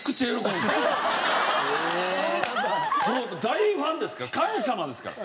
大ファンですから！